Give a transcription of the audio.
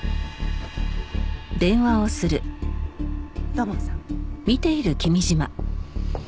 土門さん。